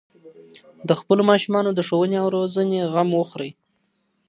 د خپلو ماشومانو د ښوونې او روزنې غم وخورئ.